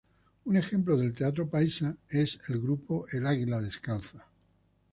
Un ejemplo del teatro paisa es el grupo El Águila Descalza.